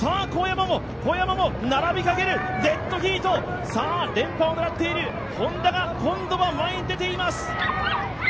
小山も並びかける、デッドヒート、連覇を狙っているＨｏｎｄａが今度は前に出ています。